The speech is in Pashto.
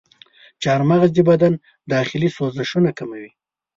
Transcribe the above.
چارمغز د بدن داخلي سوزشونه کموي.